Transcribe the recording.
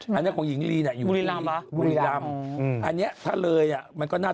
เค้านั้นก็มีที่ของพี่หญิงลีไง